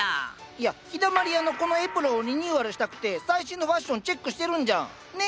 いや「陽だまり屋」のこのエプロンをリニューアルしたくて最新のファッションチェックしてるんじゃん！ね